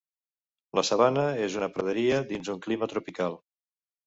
La sabana és una praderia dins un clima tropical.